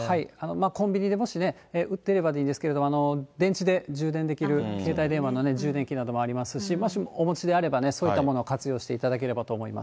コンビニで、もしね、売ってればいいんですけど、電池で充電できる携帯電話の充電器などもありますし、もしお持ちであれば、そういったものを活用していただければと思います。